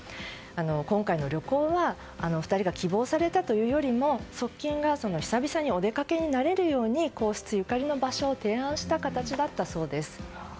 今回の旅行は２人が希望されたというよりも側近が久々にお出かけになれるように皇室ゆかりの場所を提案した形だったそうです。